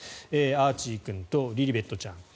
アーチー君とリリベットちゃん。